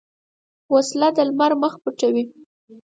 وسله د لمر مخ پټوي